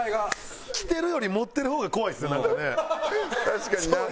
確かにな。